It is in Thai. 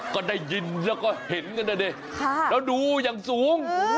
ก็ได้ยินแล้วก็เห็นกันนะดิแล้วดูอย่างสูง